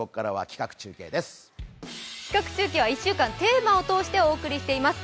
企画中継は１週間テーマを通してお送りしています。